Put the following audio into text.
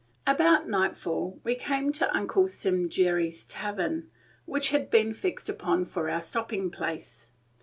About nightfall we came to Uncle Sim Geary's tavern, which had been fixed upon for our stopping place.